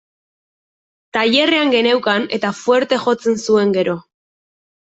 Tailerrean geneukan, eta fuerte jotzen zuen, gero.